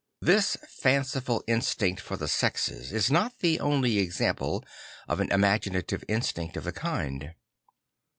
This fanciful instinct for the sexes is not the only example of an imaginative instinct of the kind.